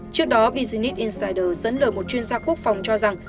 trước đó business insede dẫn lời một chuyên gia quốc phòng cho rằng